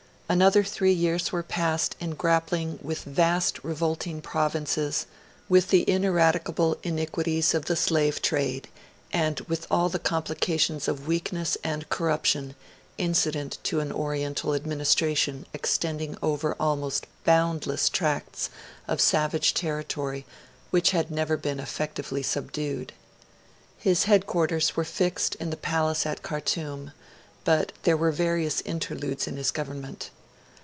Another three years were passed in grappling with vast revolting provinces, with the ineradicable iniquities of the slave trade, and with all the complications of weakness and corruption incident to an oriental administration extending over almost boundless tracts of savage territory which had never been effectively subdued. His headquarters were fixed in the palace at Khartoum; but there were various interludes in his government.